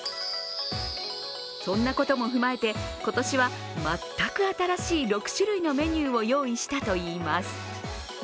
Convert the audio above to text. そんなことも踏まえて今年は全く新しい６種類のメニューを用意したといいます。